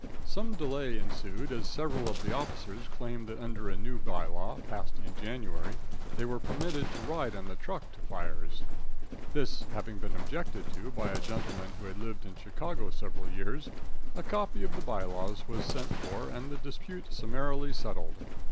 Some delay ensued, as several of the officers claimed that under a new bylaw passed in January they were permitted to ride on the truck to fires. This having been objected to by a gentleman who had lived in Chicago several years, a copy of the by laws was sent for and the dispute summarily settled.